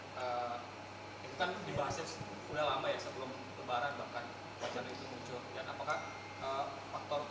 dan itu kan dibahasnya sudah lama ya sebelum lebaran bahkan wajahnya itu muncul